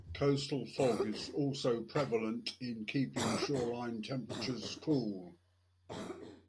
Coastal fog is also prevalent in keeping shoreline temperatures cool.